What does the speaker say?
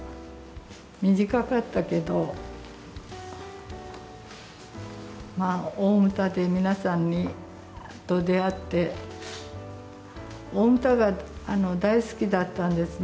短かったけど、まあ、大牟田で皆さんと出会って、大牟田が大好きだったんですね。